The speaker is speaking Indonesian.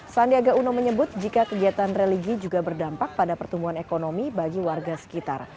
sandiaga uno menyebut jika kegiatan religi juga berdampak pada pertumbuhan ekonomi bagi warga sekitar